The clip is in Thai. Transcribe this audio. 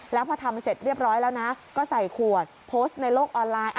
แล้วพอทำเสร็จเรียบร้อยแล้วนะก็ใส่ขวดโพสต์ในโลกออนไลน์